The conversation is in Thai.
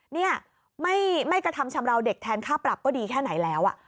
นี่ไม่กระทำชำราวเด็กแทนค่าปรับก็ดีแค่ไหนแล้ว